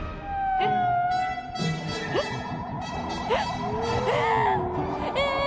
ええ⁉えっ！